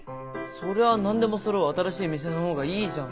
そりゃ何でもそろう新しい店の方がいいじゃん。